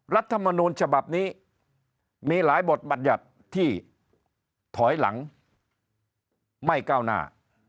รัฐมนูลฉบับนี้มีหลายบทบัญญัติที่ถอยหลังไม่ก้าวหน้า